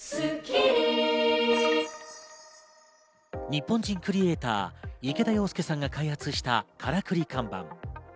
日本人クリエイター・池田洋介さんが開発したからくり看板。